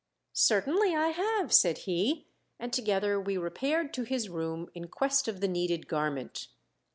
"Certainly I have," said he, and together we repaired to his room in quest of the needed garment.